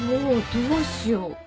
どうしよう？